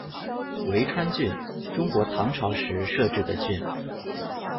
维川郡，中国唐朝时设置的郡。